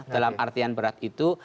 dalam artian berat itu